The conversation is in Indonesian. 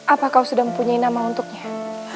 apa kau sudah mempunyai nama untuknya